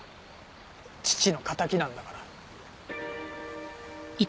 父の敵なんだから。